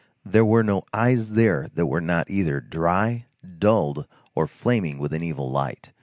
There were no eyes there which were not either dry, dulled, or flaming with an evil light.